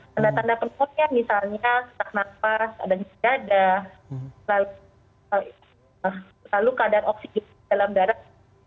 tanda tanda pneumonia misalnya sakit nafas ada gejada lalu keadaan oksigen dalam darah